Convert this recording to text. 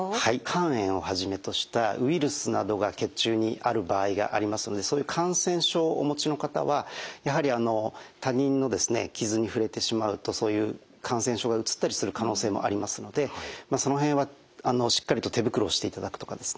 肝炎をはじめとしたウイルスなどが血中にある場合がありますのでそういう感染症をお持ちの方はやはり他人の傷に触れてしまうとそういう感染症がうつったりする可能性もありますのでその辺はしっかりと手袋をしていただくとかですね